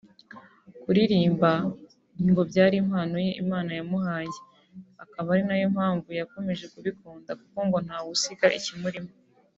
kuririmba ngo byari impano ye Imana yamuhaye akaba ari nayo mpamvu yakomeje kubikunda kuko ngo ntawe usiga ikimurimo